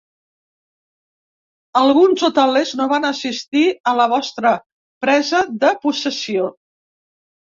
Alguns hotelers no van assistir a la vostra presa de possessió.